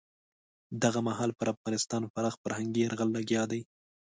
دغه مهال پر افغانستان پراخ فرهنګي یرغل لګیا دی.